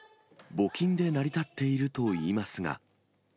募金で成り立っているといいますが。